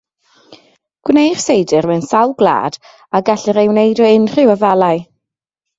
Gwneir seidr mewn sawl gwlad a gellir ei wneud o unrhyw afalau.